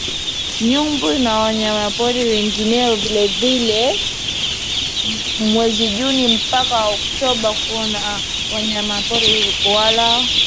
nyumbu na wanyamapori wengineo Vile vile mwezi Juni mpaka Oktaba kuona wanyamapori walao